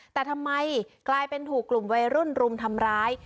แต่ทำไมกลายเป็นถูกกลุ่มวัยรุ่นรุมทำร้าย